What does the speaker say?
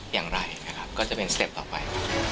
อย่างไรก็จะเป็นสเต็ปต่อไป